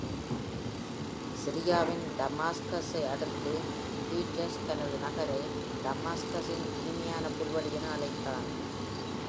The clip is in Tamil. சிரியாவின் Damascus-ஐ அடுத்து Hughes தனது நகரை ”Damascus இன் இனிமையான புல்வெளி” என்று அழைத்தான்.